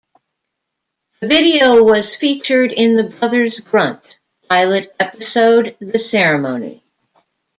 The video was featured in "The Brothers Grunt" pilot episode "The Ceremony".